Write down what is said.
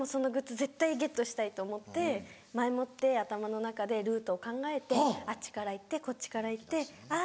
絶対ゲットしたいと思って前もって頭の中でルートを考えてあっちから行ってこっちから行ってああ